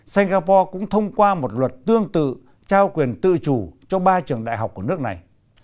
singapore cũng thông qua một luật tương tự trao quyền tự chủ cho ba trường đại học của nước này